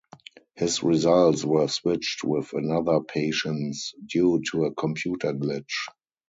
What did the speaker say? His results were switched with another patient's due to a computer glitch.